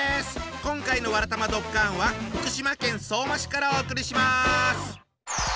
今回の「わらたまドッカン」は福島県相馬市からお送りします。